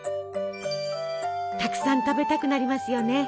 たくさん食べたくなりますよね。